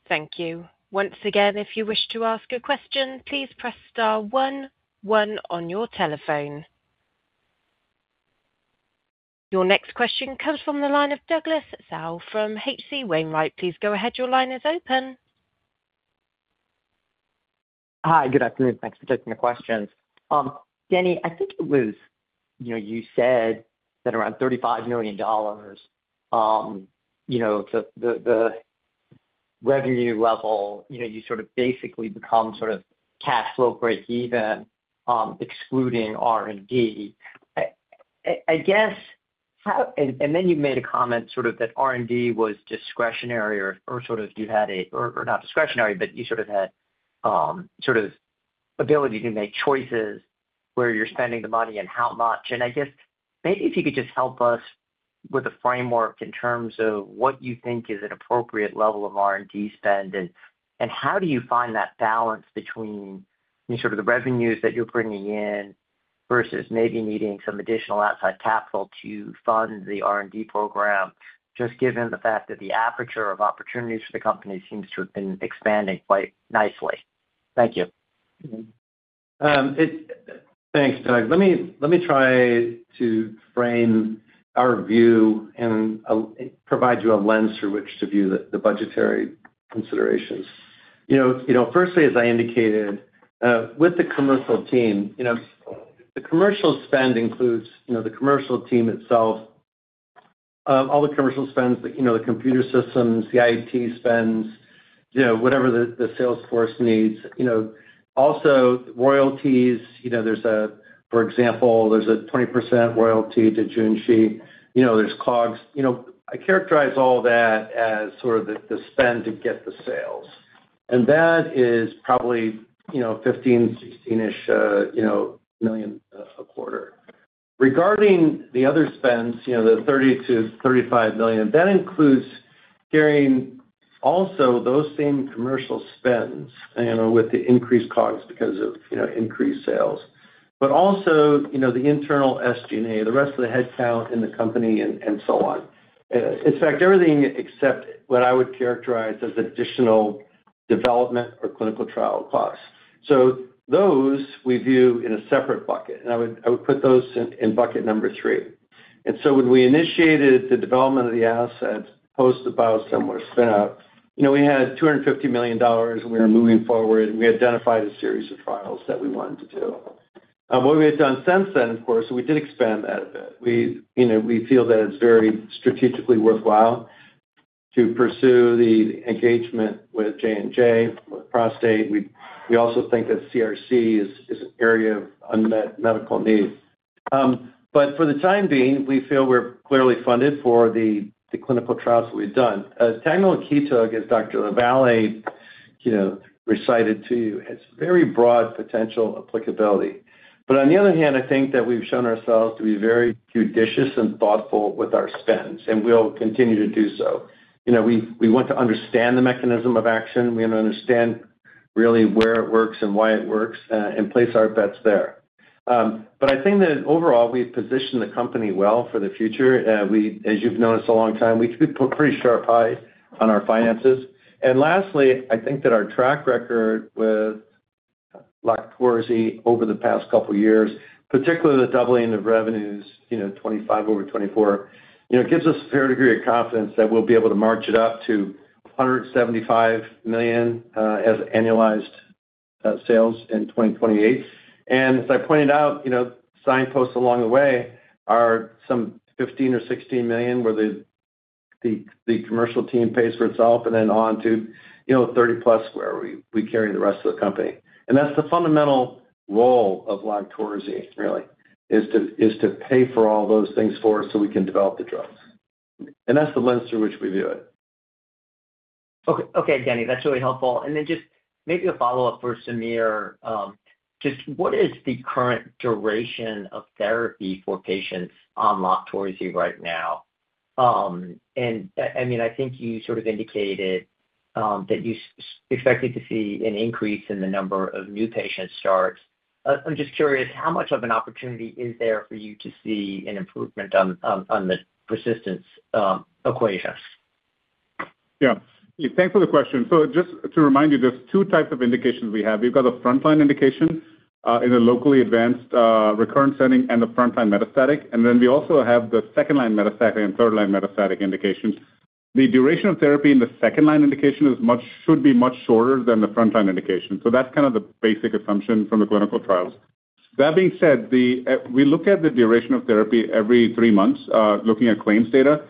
Thank you. Once again, if you wish to ask a question, please press star one one on your telephone. Your next question comes from the line of Douglas Tsao from H.C. Wainwright. Please go ahead. Your line is open. Hi. Good afternoon. Thanks for taking the questions. Danny, I think it was, you know, you said that around $35 million, you know, the revenue level, you know, you sort of basically become sort of cash flow breakeven, excluding R&D. I guess how, you made a comment sort of that R&D was discretionary or sort of you had a, not discretionary, but you sort of had sort of ability to make choices where you're spending the money and how much. I guess maybe if you could just help us with the framework in terms of what you think is an appropriate level of R&D spend, and how do you find that balance between sort of the revenues that you're bringing in versus maybe needing some additional outside capital to fund the R&D program, just given the fact that the aperture of opportunities for the company seems to have been expanding quite nicely. Thank you. Thanks, Doug. Let me try to frame our view and provide you a lens through which to view the budgetary considerations. You know, firstly, as I indicated, with the commercial team, the commercial spend includes the commercial team itself, all the commercial spends, the computer systems, the IT spends, whatever the sales force needs. Also royalties, for example, there's a 20% royalty to Junshi. There's COGS. I characterize all that as sort of the spend to get the sales. That is probably $15 million, $16 million-ish a quarter. Regarding the other spends, you know, the $30 million-$35 million, that includes carrying also those same commercial spends, you know, with the increased COGS because of, you know, increased sales. Also, you know, the internal SG&A, the rest of the headcount in the company and so on. In fact, everything except what I would characterize as additional development or clinical trial costs. Those we view in a separate bucket, and I would put those in bucket number three. When we initiated the development of the assets post the Biosimilar spin out, you know, we had $250 million, and we were moving forward, and we identified a series of trials that we wanted to do. What we had done since then, of course, we did expand that a bit. We, you know, we feel that it's very strategically worthwhile to pursue the engagement with J&J with prostate. We also think that CRC is an area of unmet medical need. For the time being, we feel we're clearly funded for the clinical trials that we've done. As tagmokitug, as Dr. LaVallee, you know, recited to you, has very broad potential applicability. On the other hand, I think that we've shown ourselves to be very judicious and thoughtful with our spends, and we'll continue to do so. You know, we want to understand the mechanism of action. We want to understand really where it works and why it works and place our bets there. I think that overall, we've positioned the company well for the future. As you've known us a long time, we keep a pretty sharp eye on our finances. Lastly, I think that our track record with LOQTORZI over the past couple of years, particularly the doubling of revenues, you know, 2025 over 2024, you know, gives us a fair degree of confidence that we'll be able to march it up to $175 million, as annualized, sales in 2028. As I pointed out, you know, signposts along the way are some $15 million or $16 million where the commercial team pays for itself and then on to, you know, $30-plus where we carry the rest of the company. That's the fundamental role of LOQTORZI really, is to pay for all those things for us so we can develop the drugs. That's the lens through which we view it. Okay. Okay, Denny, that's really helpful. Just maybe a follow-up for Sameer. Just what is the current duration of therapy for patients on LOQTORZI right now? I mean, I think you sort of indicated, that you expected to see an increase in the number of new patients start. I'm just curious how much of an opportunity is there for you to see an improvement on the persistence equation? Yeah. Thanks for the question. Just to remind you, there's two types of indications we have. We've got a frontline indication in a locally advanced recurrent setting and the frontline metastatic. We also have the second line metastatic and third line metastatic indications. The duration of therapy in the second line indication should be much shorter than the frontline indication. That's kind of the basic assumption from the clinical trials. That being said, we look at the duration of therapy every three months looking at claims data.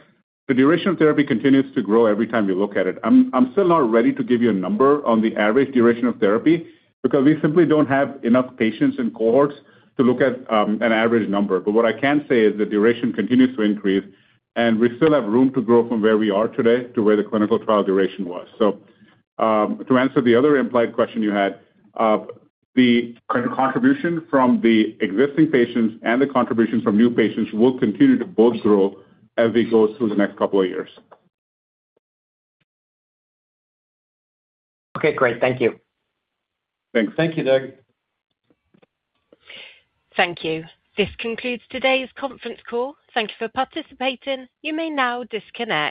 The duration of therapy continues to grow every time we look at it. I'm still not ready to give you a number on the average duration of therapy because we simply don't have enough patients and cohorts to look at an average number. What I can say is the duration continues to increase, and we still have room to grow from where we are today to where the clinical trial duration was. To answer the other implied question you had, the contribution from the existing patients and the contribution from new patients will continue to both grow as we go through the next couple of years. Okay, great. Thank you. Thanks. Thank you, Doug. Thank you. This concludes today's conference call. Thank you for participating. You may now disconnect.